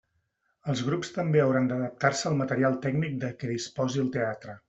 Els grups també hauran d'adaptar-se al material tècnic de què disposi el teatre.